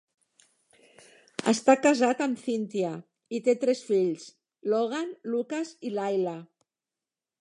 Està casat amb Cynthia i té tres fills: Logan, Lucas i Layla.